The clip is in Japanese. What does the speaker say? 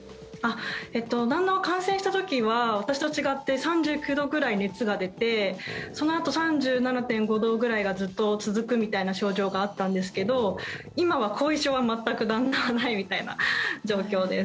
旦那は感染した時は私と違って３９度ぐらい熱が出てそのあと３７．５度ぐらいがずっと続くみたいな症状があったんですけど今は後遺症は全く旦那はないみたいな状況です。